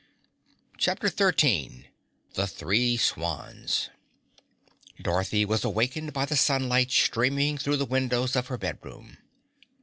CHAPTER 13 The Three Swans Dorothy was awakened by the sunlight streaming through the windows of her bedroom.